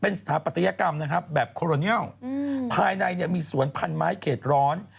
สถาปัตยกรรมนะครับแบบโคโรเนียลภายในเนี่ยมีสวนพันไม้เขตร้อน